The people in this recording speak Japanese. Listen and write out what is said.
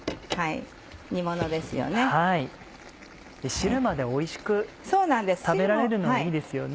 汁までおいしく食べられるのもいいですよね。